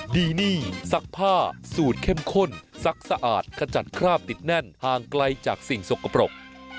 ดีนี่ซักผ้าสูตรเข้มข้นซักสะอาดขจัดคราบติดแน่นห่างไกลจากสิ่งสกปรก